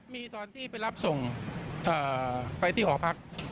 มีตอนที่ไปรับส่งไปที่หอพัก